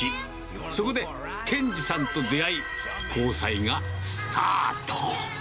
そこで賢治さんと出会い、交際がスタート。